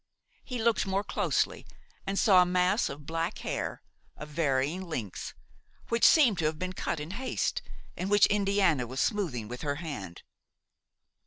He looked more closely and saw a mass of black hair, of varying lengths, which seemed to have been cut in haste, and which Indiana was smoothing with her hand.